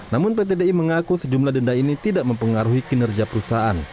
namun pt di mengaku sejumlah denda ini tidak mempengaruhi kinerja perusahaan